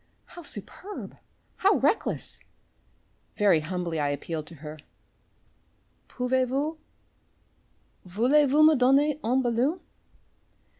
How superb, how reckless! Very humbly I appealed to her, "Pouvez vous, voulez vous me donner un ballon?"